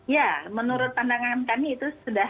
ya menurut pandangan kami itu sudah cukup tepat